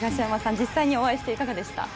実際にお会いしていかがですか？